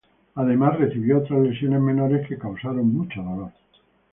Además, recibió otras lesiones menores que causaron mucho dolor.